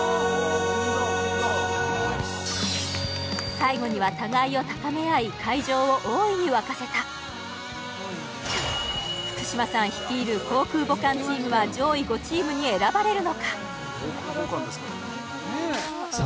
最後には互いを高め合い会場を大いに沸かせた福嶌さん率いる航空母艦チームは上位５チームに選ばれるのか？